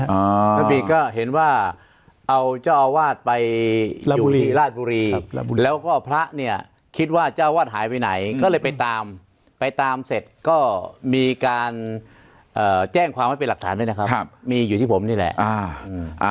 พระบีก็เห็นว่าเอาเจ้าอาวาสไปบุรีราชบุรีแล้วก็พระเนี่ยคิดว่าเจ้าวาดหายไปไหนก็เลยไปตามไปตามเสร็จก็มีการเอ่อแจ้งความไว้เป็นหลักฐานด้วยนะครับครับมีอยู่ที่ผมนี่แหละอ่า